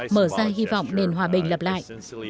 mở ra hy vọng nền hòa bình lập lại